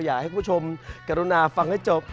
อยากให้คุณผู้ชมกรุณาฟังให้จบ